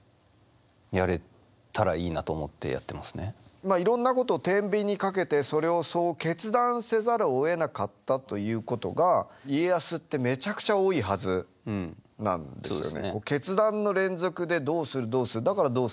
まあいろんなことをてんびんにかけてそれをそう決断せざるをえなかったということが家康ってめちゃくちゃ多いはずなんですよね。